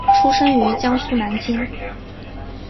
出生于江苏南京。